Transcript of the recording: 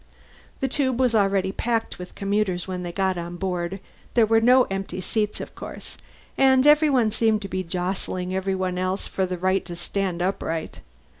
The tube was already packed with commuters when they got aboard; there were no empty seats, of course, and everyone seemed to be jostling everyone else for the right to stand upright.